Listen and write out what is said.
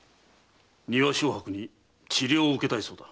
丹羽正伯に治療を受けたいそうだ。